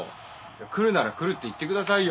来るなら来るって言ってくださいよ。